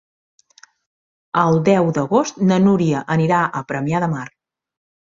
El deu d'agost na Núria anirà a Premià de Mar.